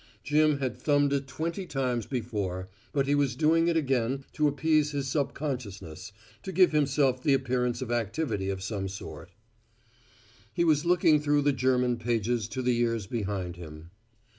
Jim had thumbed it twenty times before, but he was doing it again to appease his subconsciousness, to give himself the appearance of activity of some sort. But he was looking through the German pages to the years behind him.